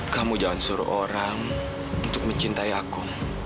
kamu jangan suruh orang untuk mencintai aku